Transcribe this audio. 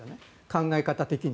考え方的に。